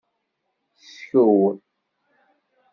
Skew.